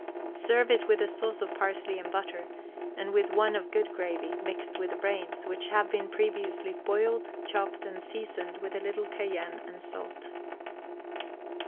Serve it with a sauce of parsley and butter, and with one of good gravy, mixed with the brains, which have been previously boiled, chopped, and seasoned with a little cayenne and salt.